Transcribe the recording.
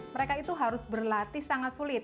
mereka itu harus berlatih sangat sulit